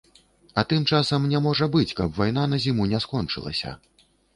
А тым часам не можа быць, каб вайна на зіму не скончылася.